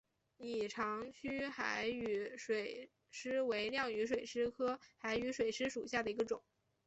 拟长须海羽水蚤为亮羽水蚤科海羽水蚤属下的一个种。